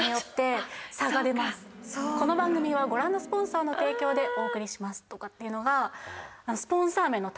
「この番組はご覧のスポンサーの提供でお送りします」とかっていうのが。